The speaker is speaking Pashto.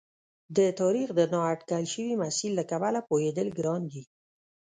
د تاریخ د نا اټکل شوي مسیر له کبله پوهېدل ګران دي.